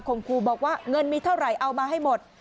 ครูบอกว่าเงินมีเท่าไหร่เอามาให้หมด